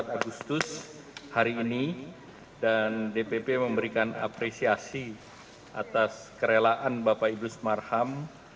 tertanggal dua puluh empat agustus hari ini dan dpp memberikan apresiasi atas kerelaan bapak idrus marham